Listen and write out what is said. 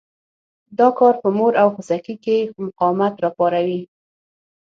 دا کار په مور او خوسکي کې مقاومت را پاروي.